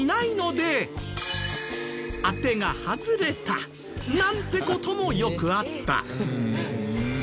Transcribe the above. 当てが外れたなんて事もよくあった。